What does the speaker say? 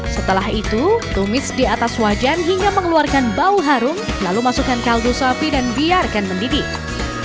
setelah itu tumis di atas wajan hingga mengeluarkan bau harum lalu masukkan kaldu sapi dan biarkan mendidih